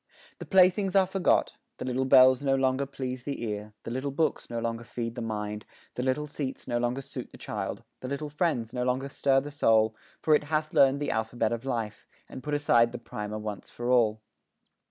The playthings are forgot; The little bells no longer please the ear, The little books no longer feed the mind, The little seats no longer suit the child, The little friends no longer stir the soul, For it hath learned the alphabet of life, And put aside the primer once for all.